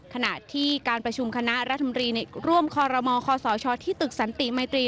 ขณะที่การประชุมคณะรัฐมนตรีร่วมคอรมคศที่ตึกสันติมัยตรี